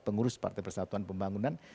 pengurus partai persatuan pembangunan